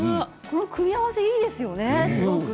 この組み合わせいいですよね。